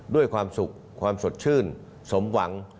ด้วยความสุขความสดชื่นสมหวัง